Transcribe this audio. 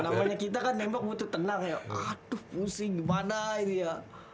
namanya kita kan nembak butuh tenang ya aduh pusing gimana ini ya